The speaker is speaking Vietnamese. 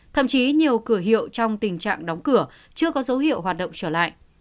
thậm chí nhiều cửa hiệu trong tình trạng đóng cửa chưa có dấu hiệu hoạt động trở lại